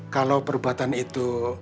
kalau perbuatan itu